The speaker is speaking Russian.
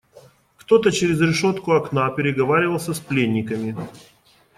Кто-то через решетку окна переговаривался с пленниками.